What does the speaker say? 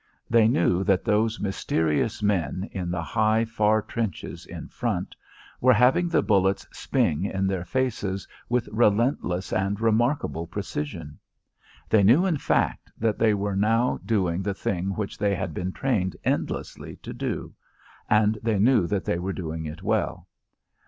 They knew that those mysterious men in the high far trenches in front were having the bullets sping in their faces with relentless and remarkable precision; they knew, in fact, that they were now doing the thing which they had been trained endlessly to do, and they knew they were doing it well.